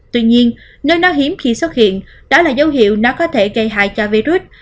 tuy nhiên nếu nó hiếm khi xuất hiện đó là dấu hiệu nó có thể gây hại cho virus